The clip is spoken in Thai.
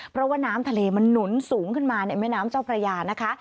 เพราะว่าน้ำทะเลมันหนุนสูงขึ้นมาในแม่น้ำเจ้าพระยานะคะ